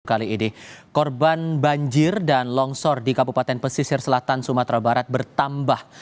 kali ini korban banjir dan longsor di kabupaten pesisir selatan sumatera barat bertambah